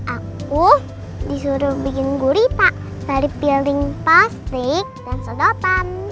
aku disuruh bikin gurita dari piring plastik dan sodotan